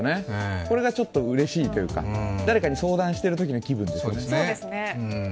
これがちょっとうれいしというか、誰かに相談してるときの気分です。